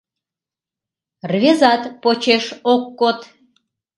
Рвезат почеш ок код.